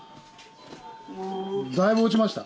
だいぶ落ちました。